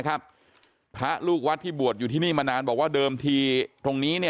ครับพระลูกวัดที่บริการบวชอยู่ที่นี่มานานบอกว่าเดิมที่ตรง